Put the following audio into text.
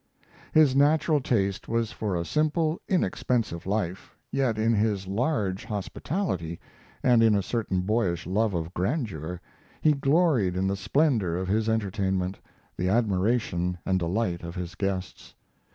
His natural taste was for a simple, inexpensive life; yet in his large hospitality, and in a certain boyish love of grandeur, he gloried in the splendor of his entertainment, the admiration and delight of his guests.